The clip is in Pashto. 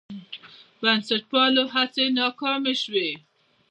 بنسټپالو هڅې ناکامې شوې.